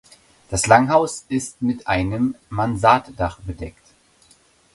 Das Langhaus ist mit einem Mansarddach bedeckt.